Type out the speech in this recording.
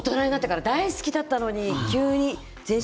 大好きだったのに全身